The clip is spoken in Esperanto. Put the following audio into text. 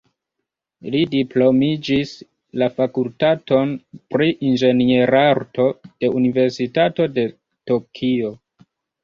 Li diplomiĝis la fakultaton pri inĝenierarto de Universitato de Tokio.